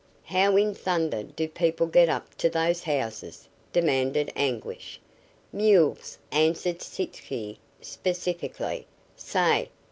"How in thunder do people get up to those houses?" demanded Anguish. "Mules," answered Sitzky, specifically. "Say!